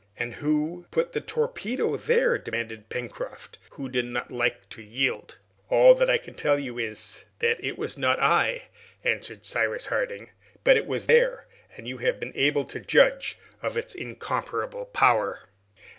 "And who put the torpedo there?" demanded Pencroft, who did not like to yield. "All that I can tell you is, that it was not I," answered Cyrus Harding; "but it was there, and you have been able to judge of its incomparable power!"